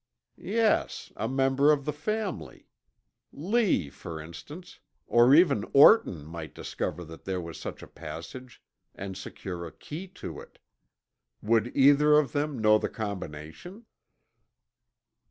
"Yes, a member of the family. Lee, for instance, or even Orton might discover that there was such a passage and secure a key to it. Would either of them know the combination?"